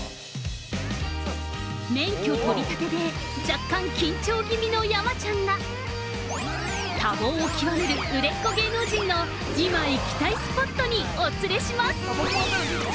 ◆免許取りたてで若干、緊張気味の山ちゃんが多忙を極める売れっ子芸能人の今行きたいスポットにお連れします。